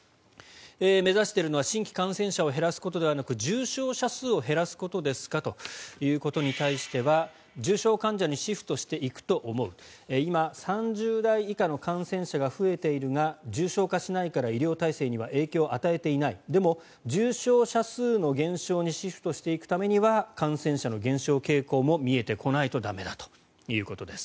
目指しているのは新規感染者を減らすことではなく重症者数を減らすことですかということに対しては重症患者にシフトしていくと思う今、３０代以下の感染者が増えているが重症化しないから医療体制には影響を与えていないでも、重症者数の減少にシフトしていくためには感染者の減少傾向も見えてこないと駄目だということです。